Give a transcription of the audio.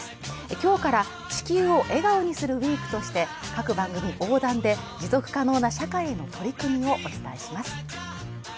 今日から「地球を笑顔にするＷＥＥＫ」として各番組横断で持続可能な社会への取り組みをお伝えします。